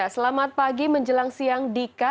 selamat pagi menjelang siang dika